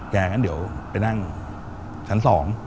งั้นเดี๋ยวไปนั่งชั้น๒